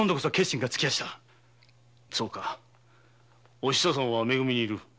お久さんは「め組」にいる。